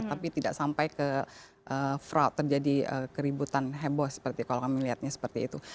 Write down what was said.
tapi tidak sampai ke fraud terjadi keributan heboh seperti kalau kami melihatnya seperti itu